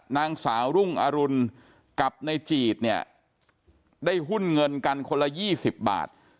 นางสาวรุ่งอรุณกับในจีดเนี่ยได้หุ้นเงินกันคนละ๒๐บาท